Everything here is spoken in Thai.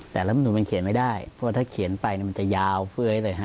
แต่รัฐมนุนมันเขียนไม่ได้เพราะถ้าเขียนไปมันจะยาวเฟ้ยเลยฮะ